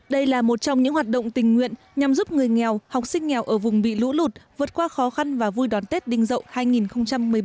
đây là một trong những hoạt động tình nguyện nhằm giúp người nghèo học sinh nghèo ở vùng bị lũ lụt vượt qua khó khăn và vui đón tết đinh dậu hai nghìn một mươi bốn